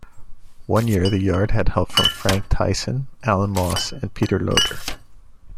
One year the yard had help from Frank Tyson, Alan Moss, and Peter Loader.